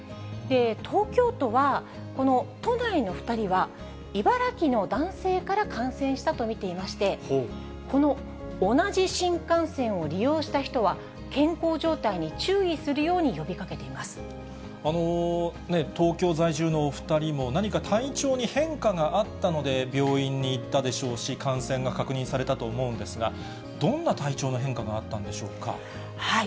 東京都はこの都内の２人は、茨城の男性から感染したと見ていまして、この同じ新幹線を利用した人は、健康状態に注意するように呼びか東京在住のお２人も、何か体調に変化があったので病院に行ったでしょうし、感染が確認されたと思うんですが、どんな体調の変化があったんでしょうか。